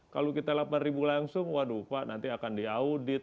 kalau kita delapan ribu langsung waduh pak nanti akan diaudit